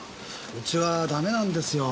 うちはダメなんですよ。